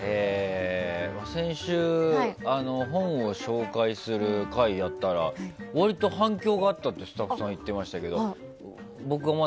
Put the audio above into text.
先週、本を紹介する回やったら割と反響があったってスタッフさんが言ってましたけど。